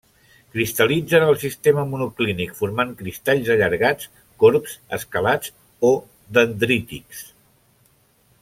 Cristal·litza en el sistema monoclínic, formant cristalls allargats, corbs, escalats o dendrítics.